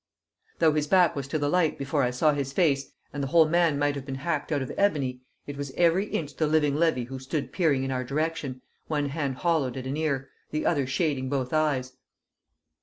Though his back was to the light before I saw his face, and the whole man might have been hacked out of ebony, it was every inch the living Levy who stood peering in our direction, one hand hollowed at an ear, the other shading both eyes.